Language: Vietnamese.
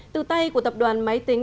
từ tay của tập đoàn máy tính